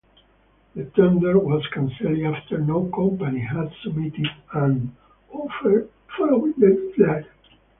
The tender was canceled after no company had submitted an offer following the deadline.